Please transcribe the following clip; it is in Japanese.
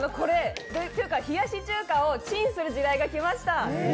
ていうか、冷やし中華をチンする時代がきました。